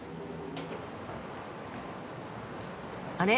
あれ？